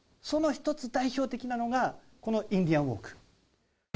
その１つ代表的なのがこのインディアンウォーク。